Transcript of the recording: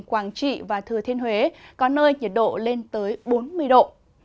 quảng trị và thừa thiên huế có nơi nhiệt độ lên tới bốn mươi độ